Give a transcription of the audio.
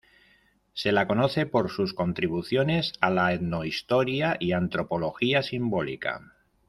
Se la conoce por sus contribuciones a la etnohistoria y antropología simbólica.